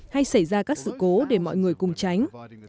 hay xảy ra các sự cố để mọi người cùng tránh